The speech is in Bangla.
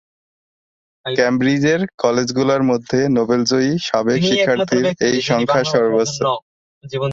কেমব্রিজের কলেজগুলোর মধ্যে নোবেলজয়ী সাবেক শিক্ষার্থীর এই সংখ্যা সর্বোচ্চ।